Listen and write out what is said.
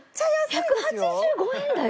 １８５円だよ。